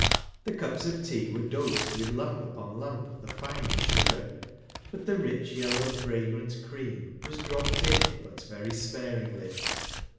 The cups of tea were dosed with lump upon lump of the finest sugar, but the rich yellow fragrant cream was dropped in but very sparingly.